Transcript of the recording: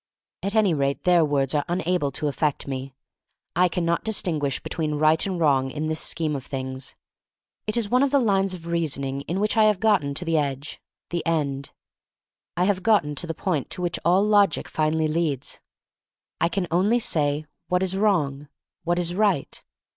At any rate their words are unable to affect me. I can not distinguish be tween right and wrong in this scheme of things. It is one of the lines of reasoning in which I have gotten to the edge, the end. I have gotten to the point to which all logic finally leads. I can only say, What is wrong? What is right?